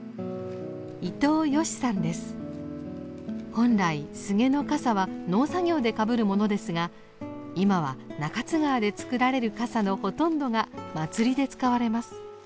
本来スゲの笠は農作業でかぶるものですが今は中津川で作られる笠のほとんどが祭りで使われます。